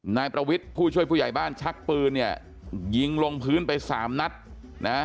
นายประวิทย์ผู้ช่วยผู้ใหญ่บ้านชักปืนเนี่ยยิงลงพื้นไปสามนัดนะ